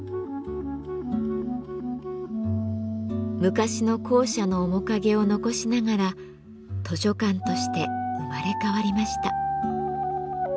昔の校舎の面影を残しながら図書館として生まれ変わりました。